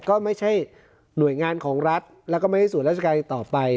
ก็ไม่ใช่หน่วยงานของรัฐแล้วก็ไม่ใช่ส่วนราชการต่อไป